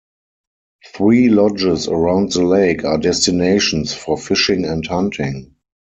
Three lodges around the lake are destinations for fishing and hunting.